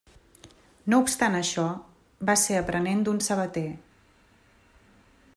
No obstant això, va ser aprenent d'un sabater.